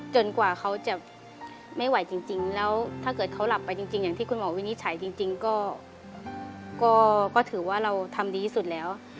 กว่าเขาจะไม่ไหวจริงแล้วถ้าเกิดเขาหลับไปจริงอย่างที่คุณหมอวินิจฉัยจริงก็ถือว่าเราทำดีที่สุดแล้ว